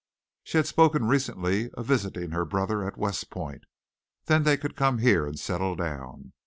She had spoken recently of visiting her brother at West Point. Then they could come here and settle down.